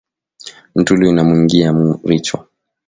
Ntulu inamwingiya mu richo